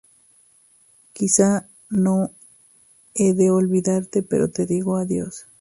Quizá no he de olvidarte, pero te digo adiós.